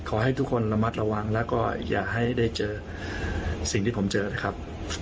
ขอให้ทุกคนระมัดระวังแล้วก็อย่าให้ได้เจอสิ่งที่ผมเจอนะครับ